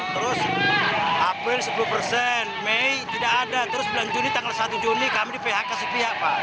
terus april sepuluh persen mei tidak ada terus bulan juni tanggal satu juni kami di phk sepihak pak